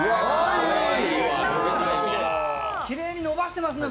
きれいに伸ばしてますね！